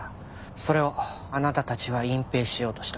それをあなたたちは隠蔽しようとした。